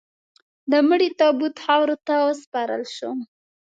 د مړي تابوت خاورو ته وسپارل شو.